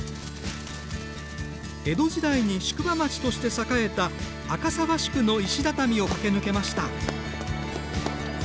江戸時代に宿場町として栄えた赤沢宿の石畳を駆け抜けました。